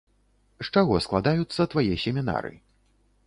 З чаго складаюцца твае семінары?